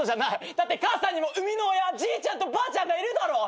だって母さんにも生みの親じいちゃんとばあちゃんがいるだろ。